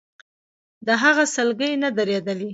د هغه سلګۍ نه درېدلې.